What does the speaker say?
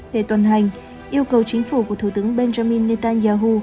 để tuần hành yêu cầu chính phủ của thủ tướng benjamin netanyahu